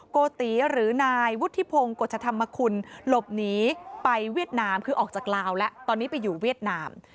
โกติหรือนายวุฒิพงศ์กฎชธรรมคุณหลบหนีไปเวียดนามคือออกจากลาวแล้วตอนนี้ไปอยู่เวียดนาม